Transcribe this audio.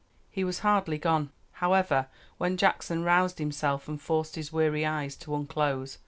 He was hardly gone, however, when Jackson roused himself and forced his weary eyes to unclose.